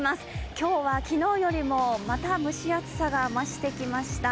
今日は昨日よりもまた蒸し暑さが増してきました。